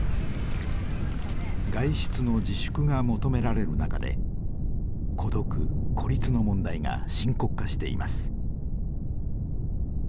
外出の自粛が求められる中で孤独・孤立の問題が深刻化しています。